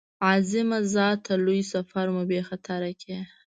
عظیمه ذاته لوی سفر مو بې خطره کړې.